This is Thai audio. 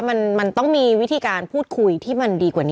ทำงานครบ๒๐ปีได้เงินชดเฉยเลิกจ้างไม่น้อยกว่า๔๐๐วัน